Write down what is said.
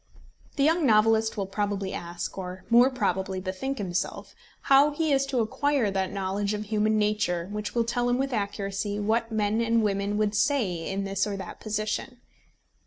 The young novelist will probably ask, or more probably bethink himself how he is to acquire that knowledge of human nature which will tell him with accuracy what men and women would say in this or that position.